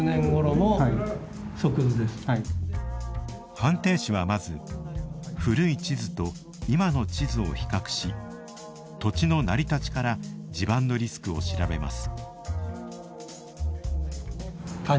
判定士は、まず古い地図と今の地図を比較し土地の成り立ちから地盤のリスクを調べます。